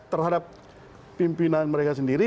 terhadap pimpinan mereka sendiri